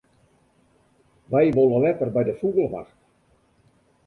Wy wolle letter by de fûgelwacht.